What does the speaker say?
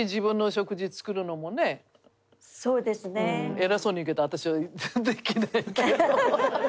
偉そうに言うけど私はできないけど。